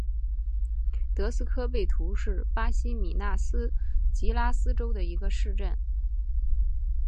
德斯科贝图是巴西米纳斯吉拉斯州的一个市镇。